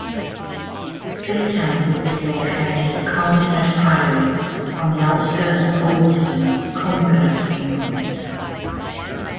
This temple is located at Conishead Priory on the outskirts of Ulverston, Cumbria, England.